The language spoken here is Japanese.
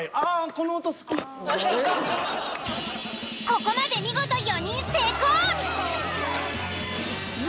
ここまで見事４人成功！